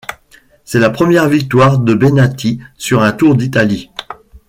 C'est la première victoire de Bennati sur un Tour d'Italie.